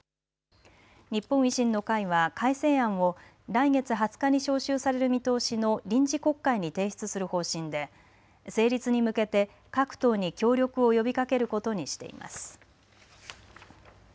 日本維新の会は改正案を来月２０日に召集される見通しの臨時国会に提出する方針で成立に向けて各党に協力を呼びかけることにしています。